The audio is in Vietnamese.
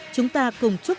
chúng ta cùng chúc